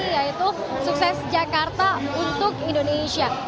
yaitu sukses jakarta untuk indonesia